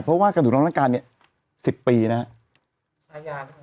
เพราะว่าการถูกทำร้ายร่างกายนี้๑๐ปีนะครับ